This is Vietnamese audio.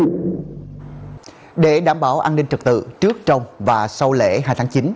trước khi đảm bảo an ninh trật tự trước trong và sau lễ hai tháng chín